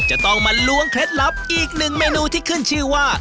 จะต้องมาล้วงเคล็ดลับอีกหนึ่งเมนูที่ขึ้นชื่อว่า